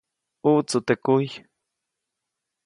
ʼUʼtsu teʼ kujy.